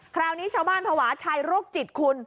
คราวนี้ชาวบ้านภาวะชายโรคจิตคุณ